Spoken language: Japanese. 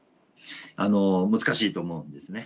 あの難しいと思うんですね。